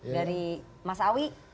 dari mas awi